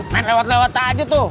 main lewat lewat aja tuh